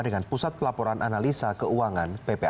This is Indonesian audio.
dengan pusat pelaporan analisa keuangan ppatk